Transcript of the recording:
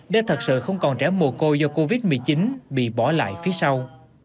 để thật sự không còn trẻ mùa cô do covid một mươi chín bị bỏ lại phía sau